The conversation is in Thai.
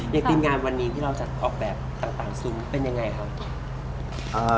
ทีมงานวันนี้ที่เราจะออกแบบต่างซุ้มเป็นยังไงครับ